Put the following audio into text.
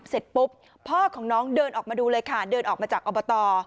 เสร็จปุ๊บพ่อของน้องเดินออกมาดูเลยค่ะเดินออกมาจากอบต